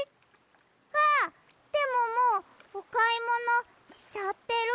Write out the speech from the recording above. あっでももうおかいものしちゃってる！